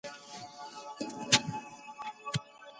قناعت تر سرو او سپینو زرو ډیر ارزښت لري.